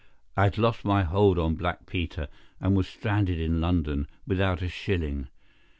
I had lost my hold on Black Peter and was stranded in London without a shilling.